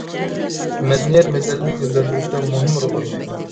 مەدەنىيەت مىللەتنى گۈللەندۈرۈشتە مۇھىم رول ئوينايدۇ.